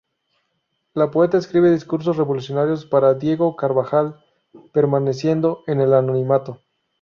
La poeta escribe discursos revolucionarios para Diego Carvajal, permaneciendo en el anonimato.